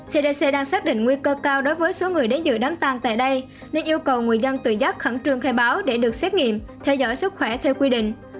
cdc đang xác định nguy cơ cao đối với số người đến dự đám tan tại đây nên yêu cầu người dân tự giác khẩn trương khai báo để được xét nghiệm theo dõi sức khỏe theo quy định